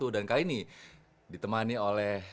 dan kali ini ditemani oleh